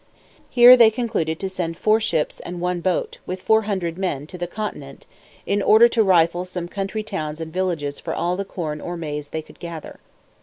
Here they concluded to send four ships and one boat, with four hundred men, to the continent, in order to rifle some country towns and villages for all the corn or maize they could gather.